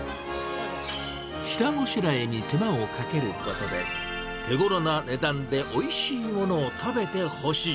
下ごしらえに手間をかけることで、手ごろな値段でおいしいものを食べてほしい。